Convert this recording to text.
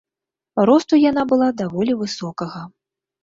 Росту яна была даволі высокага.